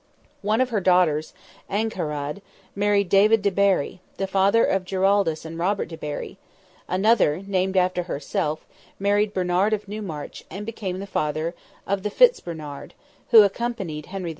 One of her daughters, Angharad, married David de Barri, the father of Giraldus and Robert de Barri; another, named after herself, married Bernard of Newmarch, and became the father of the Fitz Bernard, who accompanied Henry II.